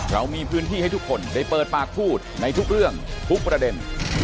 เรามีพื้นที่ให้ทุกคนได้เปิดปากพูดในทุกเรื่องทุกประเด็น